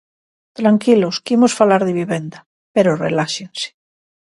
Tranquilos, que imos falar de vivenda, pero reláxense.